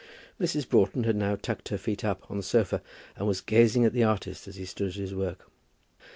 Mrs. Broughton had now tucked her feet up on the sofa, and was gazing at the artist as he stood at his work.